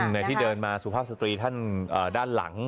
ในที่เดินมาสุภาพสตรีท่านด้านหลัง